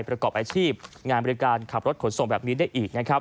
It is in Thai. ประกอบอาชีพงานบริการขับรถขนส่งแบบนี้ได้อีกนะครับ